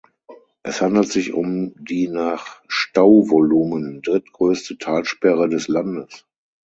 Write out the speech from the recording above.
Es handelt sich um die nach Stauvolumen drittgrößte Talsperre des Landes.